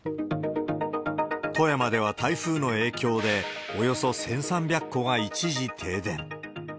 富山では台風の影響で、およそ１３００戸が一時停電。